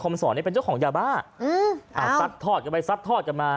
มสอนเนี่ยเป็นเจ้าของยาบ้าอืมอ่าซัดทอดกันไปซัดทอดกันมา